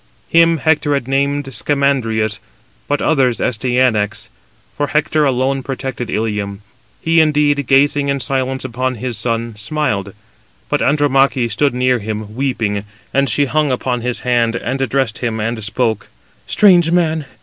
Him Hector had named Scamandrius, but others Astyanax; for Hector alone protected Ilium. He indeed, gazing in silence upon his son, smiled. But Andromache stood near to him, weeping, and she hung upon his hand, and addressed him, and spoke: "Strange man!